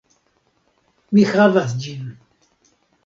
Mi havas ĝin!